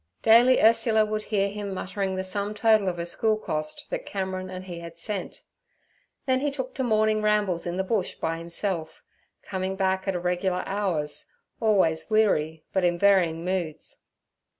Daily Ursula would hear him muttering the sum total of her school cost that Cameron and he had sent. Then he took to morning rambles in the Bush by himself, coming back at irregular hours, always weary, but in varying moods.